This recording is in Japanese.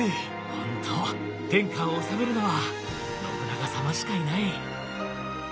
本当天下を治めるのは信長様しかいない。